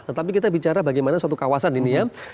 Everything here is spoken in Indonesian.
tetapi kita bicara bagaimana suatu kawasan ini ya